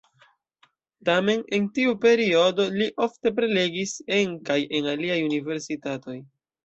Tamen en tiu periodo li ofte prelegis en kaj en aliaj universitatoj.